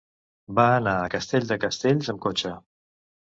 Va anar a Castell de Castells amb cotxe.